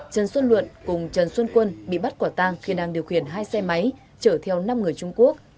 trần xuân luận cùng trần xuân quân bị bắt quả tang khi đang điều khiển hai xe máy chở theo năm người trung quốc